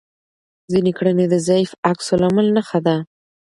ځینې کړنې د ضعیف عکس العمل نښه ده.